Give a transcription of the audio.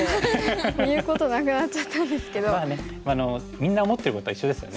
みんな思ってることは一緒ですよね。